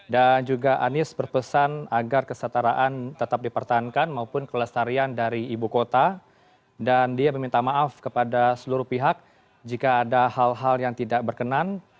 dan juga anies berpesan agar kesetaraan tetap dipertahankan maupun kelestarian dari ibu kota dan dia meminta maaf kepada seluruh pihak jika ada hal hal yang tidak berkenan